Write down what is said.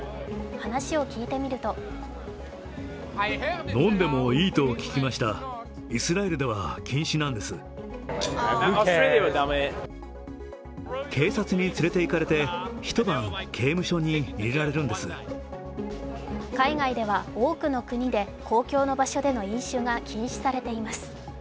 話を聞いてみると海外では多くの国で公共の場所での飲酒が禁止されています。